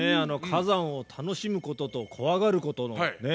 火山を楽しむことと怖がることのね。